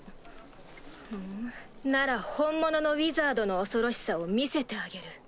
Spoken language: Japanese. ふんなら本物のウィザードの恐ろしさを見せてあげる。